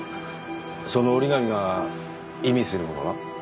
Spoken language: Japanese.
その折り紙が意味するものは？